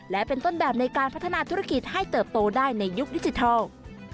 และเป็นต้นแบบในการพัฒนาธุรกิจให้เติบโตได้ในยุคดิจิทัล